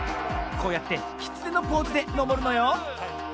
こうやってきつねのポーズでのぼるのよ。